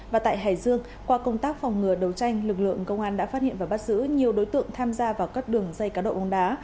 và tại hải dương qua công tác phòng ngừa đấu tranh lực lượng công an đã phát hiện và bắt giữ nhiều đối tượng tham gia vào các đường dây cá độ bóng đá